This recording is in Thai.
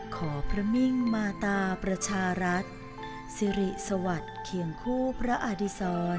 ขอพระมิ่งมาตาประชารัฐสิริสวัสดิ์เคียงคู่พระอดิษร